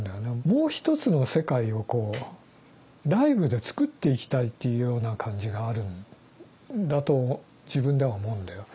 もう一つの世界をこうライブで作っていきたいっていうような感じがあるんだと自分では思うんだよ。